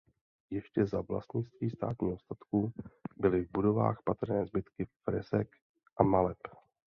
Ještě za vlastnictví státního statku byly v budovách patrné zbytky fresek a maleb.